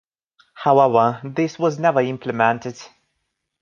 However, this was never implemented.